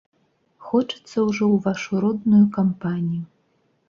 Хочацца ўжо ў вашу родную кампанію.